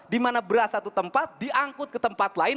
dimana beras satu tempat diangkut ke tempat lain